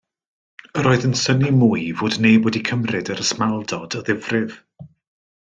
Yr oedd yn synnu mwy fod neb wedi cymryd yr ysmaldod o ddifrif.